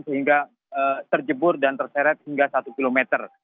sehingga terjebur dan terseret hingga satu kilometer